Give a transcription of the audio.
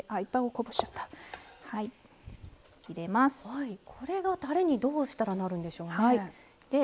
これがたれにどうしたらなるんでしょうね。